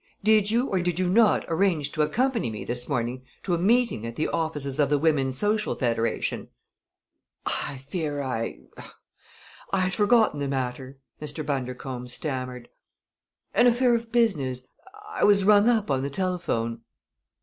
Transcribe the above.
Did you or did you not arrange to accompany me this morning to a meeting at the offices of the Women's Social Federation?" "I fear I er I had forgotten the matter," Mr. Bundercombe stammered. "An affair of business I was rung up on the telephone."